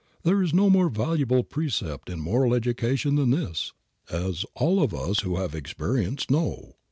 There is no more valuable precept in moral education than this, as all of us who have experienced know.